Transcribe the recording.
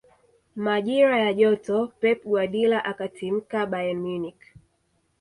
majira ya joto pep guardiola akatimka bayern munich